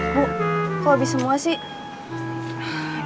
bu kok habis semua sih